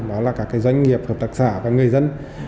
đó là các doanh nghiệp hợp tác xã và người dân